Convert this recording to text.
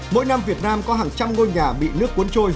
mỗi năm việt nam có hàng trăm ngôi nhà bị nước cuốn trôi